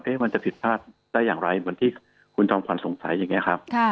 มันจะผิดพลาดได้อย่างไรเหมือนที่คุณจอมขวัญสงสัยอย่างนี้ครับ